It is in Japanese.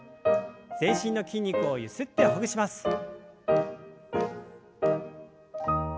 全身の筋肉をゆすってほぐします。